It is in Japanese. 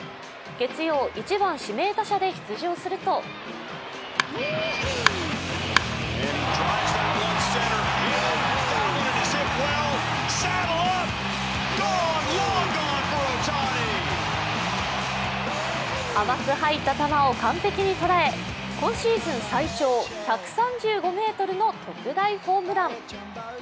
月曜１番・指名打者で出場すると甘く入った球を完璧に捉え今シーズン最長１３５ｍの特大ホームラン。